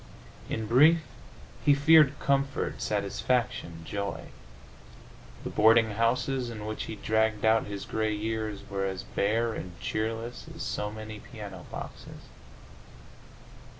In brief, he feared comfort, satisfaction, joy. The boarding houses in which he dragged out his gray years were as bare and cheerless as so many piano boxes.